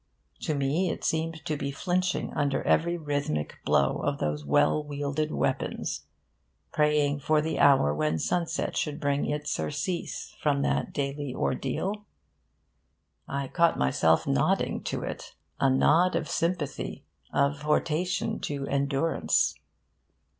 To me it seemed to be flinching under every rhythmic blow of those well wielded weapons, praying for the hour when sunset should bring it surcease from that daily ordeal. I caught myself nodding to it a nod of sympathy, of hortation to endurance.